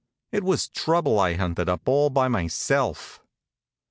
It was trouble I hunted up all by myself.